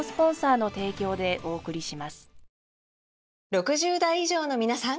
６０代以上のみなさん！